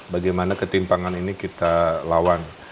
bagaimana ketimpangan ini kita lawan